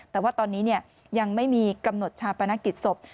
แต่ว่าตอนนี้ยังไม่มีกำหนดชาปนกิจศพ